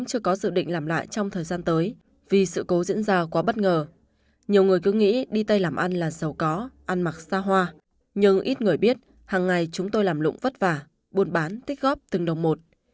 chị yến có dự định làm lại trong thời gian tới vì sự cố diễn ra quá bất ngờ nhiều người cứ nghĩ đi tây làm ăn là giàu có ăn mặc xa hoa nhưng ít người biết hằng ngày chúng tôi làm lụng vất vả buôn bán tích góp từng đồng một